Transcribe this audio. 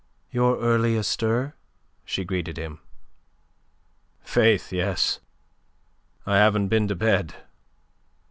"You're early astir," she greeted him. "Faith, yes. I haven't been to bed.